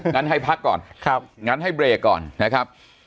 งั้นให้พักก่อนงั้นให้เบรกก่อนนะครับ